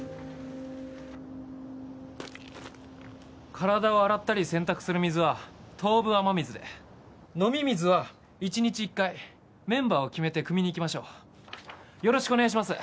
体を洗ったり洗濯する水は当分雨水で飲み水は１日１回メンバーを決めてくみに行きましょうよろしくお願いします